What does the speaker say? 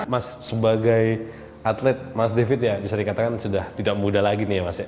mas sebagai atlet mas david ya bisa dikatakan sudah tidak muda lagi nih ya mas ya